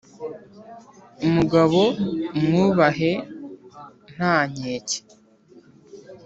umugabo mwubahe ntankeke